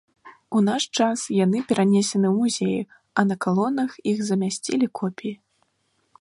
У наш час яны перанесены ў музеі, а на калонах іх замясцілі копіі.